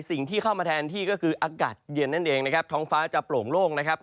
สิ่งที่เข้ามาแทนที่ก็คืออากาศเย็นนั่นเองนะครับท้องฟ้าจะโปร่งโล่งนะครับ